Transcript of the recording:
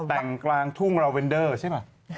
แต่งกลางทุ่งลาเวนเดอร์ใช่ป่ะ